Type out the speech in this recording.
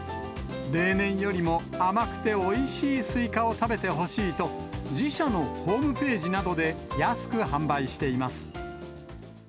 例年よりも甘くておいしいスイカを食べてほしいと、自社のホームページなどで安く販売しています。